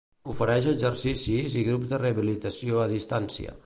Ofereix exercicis i grups de rehabilitació a distància.